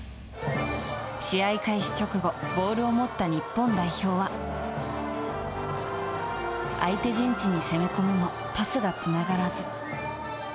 試合開始直後ボールを持った日本代表は相手陣地に攻め込むもパスがつながらず。